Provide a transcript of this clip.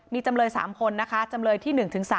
มีจำเลย๓คนนะคะจำเลยที่๑๓